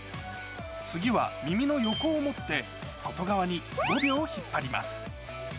次は、耳の横を持って、外側に５秒引っ張ります。